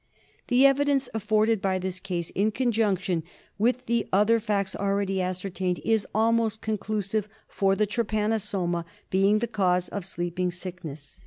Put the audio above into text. The evidence afforded by this case, in conjunction with the other facts already ascertained, is almost conclusive for the trypanosoma being the cause of Sleeping Sickness.